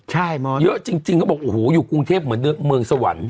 ใช่เยอะจริงเขาบอกโอ้โหอยู่กรุงเทพเหมือนเมืองสวรรค์